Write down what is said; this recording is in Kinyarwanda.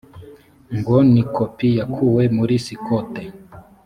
ngonikopi yakuwe muri sitoke.